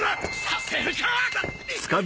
させるか！